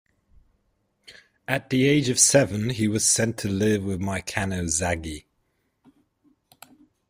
At the age of seven, he was sent to live with Maikano Zagi.